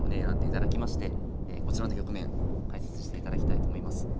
選んでいただきましてこちらの局面解説していただきたいと思います。